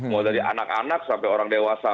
mulai dari anak anak sampai orang dewasa